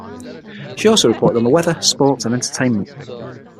She also reported on weather, sports and entertainment.